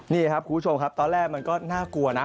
นี่ครับคุณผู้ชมครับตอนแรกมันก็น่ากลัวนะ